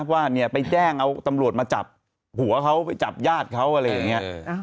ว่าไปแจ้งเอาตำรวจมาจับหัวเขาไปจับญาติเขาอะไรอย่างนี้